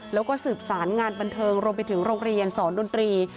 แล้วก็สืบสารงานบันเทิงรวมไปถึงโรงเรียนสอนดนตรี